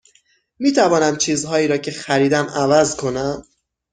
می توانم چیزهایی را که خریدم عوض کنم؟